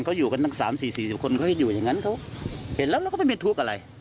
เขาอยู่กันทั้งสามสี่สี่สี่คนเขาให้อยู่อย่างงั้นเขาเห็นแล้วแล้วก็ไม่มีทุกข์อะไร